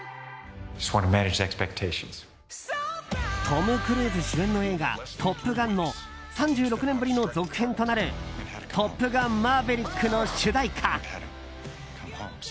トム・クルーズ主演の映画「トップガン」の３６年ぶりの続編となる「トップガンマーヴェリック」の主題歌。